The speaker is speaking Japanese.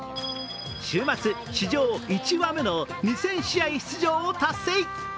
週末、史上１羽目の２０００試合出場を達成。